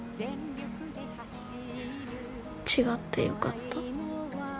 違ってよかった。